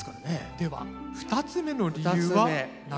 では２つ目の理由は何ですか？